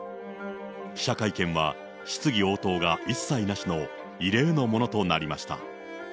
記者会見は質疑応答が一切なしの異例のものとなりました。